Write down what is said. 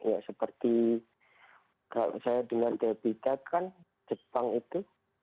ya seperti kalau saya dengar terbitakan jepang itu